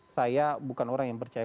saya bukan orang yang percaya